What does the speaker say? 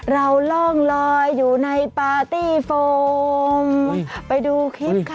ร่องลอยอยู่ในปาร์ตี้โฟมไปดูคลิปค่ะ